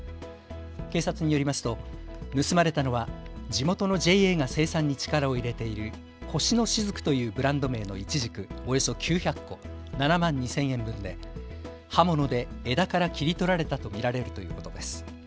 警察によりますと盗まれたのは地元のＪＡが生産に力を入れている越の雫というブランド名のイチジク、およそ９００個７万２０００円分で刃物で枝から切り取られたと見られるということです。